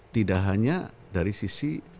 tidak hanya dari sisi